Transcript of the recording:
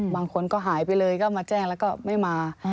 บางคนก็หายไปเลยก็มาแจ้งแล้วก็ไม่มา